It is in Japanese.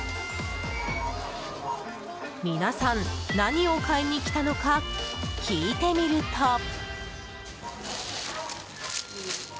皆さん、何を買いにきたのか聞いてみると。